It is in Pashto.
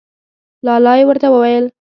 لا لا یې ورته وویل.